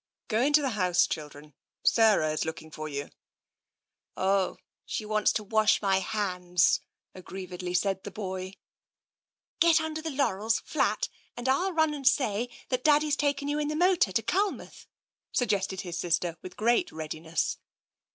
" Go into the house, children. Sarah is looking for you.'' " Oh, she wants to wash my hands," aggrievedly said the boy. " Get under the laurels, flat, and I'll run and say 14 TENSION that Daddy's taken you in the motor to Culmouth," suggested his sister with great readiness.